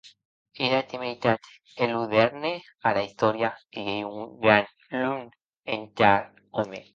Era temeritat enludèrne ara istòria, e ei ua gran lum entar òme.